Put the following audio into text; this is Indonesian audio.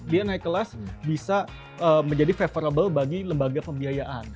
dia naik kelas bisa menjadi favorable bagi lembaga pembiayaan